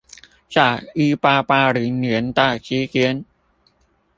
在一八八零年代之間